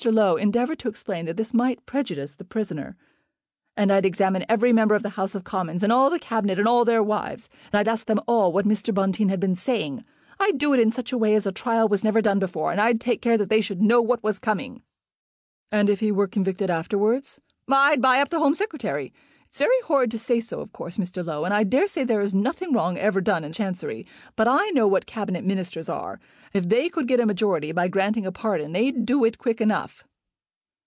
Low endeavoured to explain that this might prejudice the prisoner. "And I'd examine every member of the House of Commons, and all the Cabinet, and all their wives. I'd ask them all what Mr. Bonteen had been saying. I'd do it in such a way as a trial was never done before; and I'd take care that they should know what was coming." "And if he were convicted afterwards?" "I'd buy up the Home Secretary. It's very horrid to say so, of course, Mr. Low; and I dare say there is nothing wrong ever done in Chancery. But I know what Cabinet Ministers are. If they could get a majority by granting a pardon they'd do it quick enough."